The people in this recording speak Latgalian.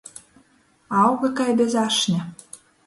Auga kai bez ašņa.